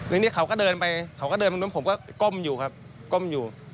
ทีนี้เขาก็เดินไปเขาก็เดินตรงนู้นผมก็ก้มอยู่ครับก้มอยู่